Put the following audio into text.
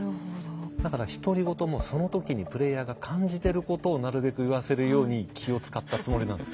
だから独り言もその時にプレイヤーが感じてることをなるべく言わせるように気を遣ったつもりなんです。